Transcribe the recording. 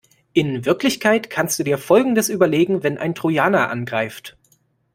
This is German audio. In Wirklichkeit kannst du dir folgendes überlegen wenn ein Trojaner angreift.